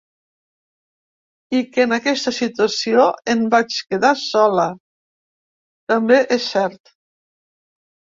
I que en aquesta situació en vaig quedar sola, també és cert.